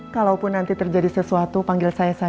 kalaupun nanti terjadi sesuatu panggil saya